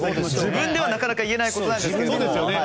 自分では、なかなか言えないことなんですけど。